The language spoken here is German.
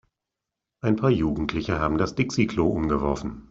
Ein paar Jugendliche haben das Dixi-Klo umgeworfen.